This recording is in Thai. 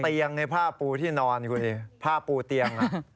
เตียงในผ้าปูที่นอนผ้าปูเตียง